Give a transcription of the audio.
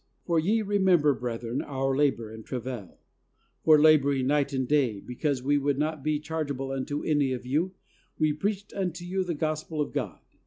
For ye remember, brethren, our labor and travail ; for laboring night and day, because we would not be chargeable unto any of you, we preached unto you the Gospel of God.